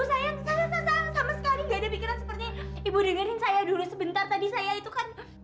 saya sekarang juga kamu saya pecah